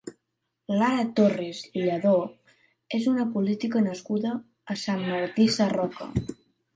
Lara Torres Lledó és una política nascuda a Sant Martí Sarroca.